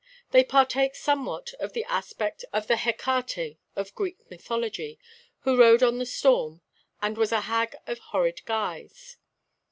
They partake somewhat of the aspect of the Hecate of Greek mythology, who rode on the storm, and was a hag of horrid guise.